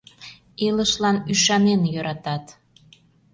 Илышлан ӱшанен йӧратат.